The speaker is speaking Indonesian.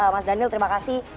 mas daniel terima kasih